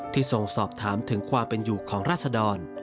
ทรงสอบถามถึงความเป็นอยู่ของราศดร